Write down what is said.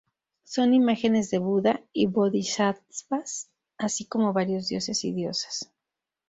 Son imágenes de Buda y bodhisattvas, así como varios dioses y diosas.